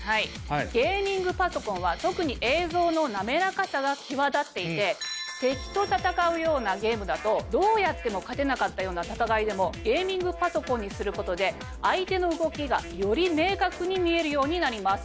ゲーミングパソコンは特に映像の滑らかさが際立っていて敵と戦うようなゲームだとどうやっても勝てなかったような戦いでもゲーミングパソコンにすることで相手の動きがより明確に見えるようになります。